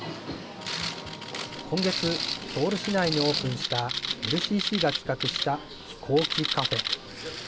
今月、ソウル市内にオープンした、ＬＣＣが企画した飛行機カフェ。